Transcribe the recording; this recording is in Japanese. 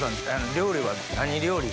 料理は何料理が。